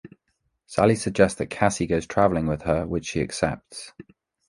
Sally suggests that Cassie goes travelling with her, which she accepts.